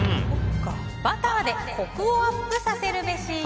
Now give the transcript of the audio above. バターでコクをアップさせるべし。